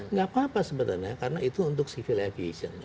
nggak apa apa sebenarnya karena itu untuk civil aviation